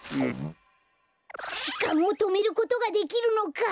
じかんをとめることができるのか！